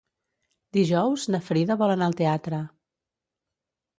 Dijous na Frida vol anar al teatre.